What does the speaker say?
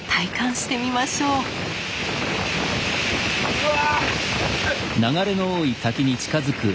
うわ！